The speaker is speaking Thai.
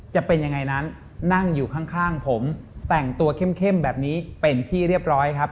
จะเป็นยังไงนั้นนั่งอยู่ข้างผมแต่งตัวเข้มแบบนี้เป็นที่เรียบร้อยครับ